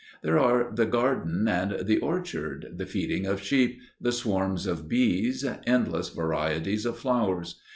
There are the garden and the orchard, the feeding of sheep, the swarms of bees, endless varieties of flowers.